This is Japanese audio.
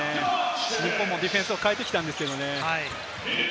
日本もディフェンスを変えてきたんですけれどね。